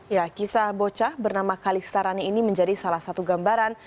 ya kisah bocah bernama kalistarani ini menjadi salah satu gambaran